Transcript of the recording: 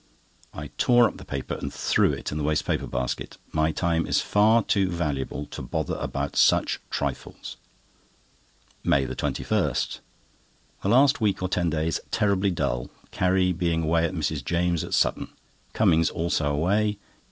I tore up the paper and threw it in the waste paper basket. My time is far too valuable to bother about such trifles. MAY 21.—The last week or ten days terribly dull, Carrie being away at Mrs. James's, at Sutton. Cummings also away.